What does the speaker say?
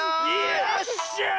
よっしゃい！